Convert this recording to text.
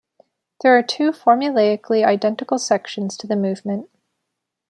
There are two formulaically identical sections to the movement.